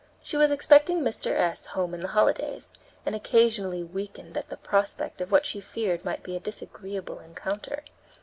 She was expecting Mr. S. home in the holidays, and occasionally weakened at the prospect of what she feared might be a disagreeable encounter.